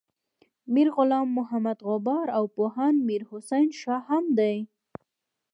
میر غلام محمد غبار او پوهاند میر حسین شاه هم دي.